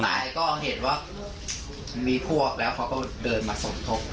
นายก็เห็นว่ามีพวกแล้วเขาก็เดินมาสมทบ